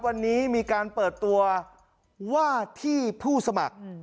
วันนี้มีการเปิดตัวว่าที่ผู้สมัคร